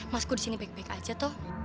mas ku disini baik baik aja toh